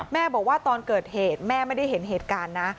แม่บอกว่าตอนเกิดเหตุแม่ไม่ได้เห็นเหตุการณ์นะ